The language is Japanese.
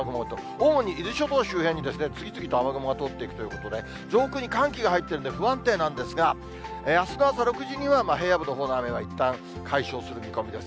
主に伊豆諸島周辺に次々と雨雲が通っていくということで、遠くに寒気が入っているんで、不安定なんですが、あすの朝６時には平野部のほうの雨はいったん解消する見込みです。